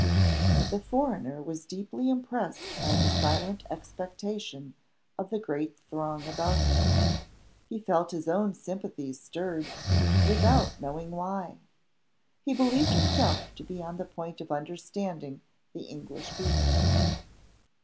The foreigner was deeply impressed by the silent expectation of the great throng about him. He felt his own sympathies stirred, without knowing why. He believed himself to be on the point of understanding the English people.